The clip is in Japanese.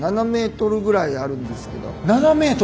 ７ｍ！